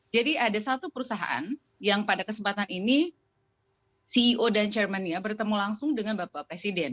jadi ada satu perusahaan yang pada kesempatan ini ceo dan chairmannya bertemu langsung dengan bapak presiden